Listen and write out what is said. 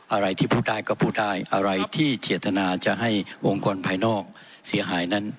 อะไรที่พูดได้ก็พูดได้อะไรที่เจตนาจะให้องค์กรภายนอกเสียหายนั้น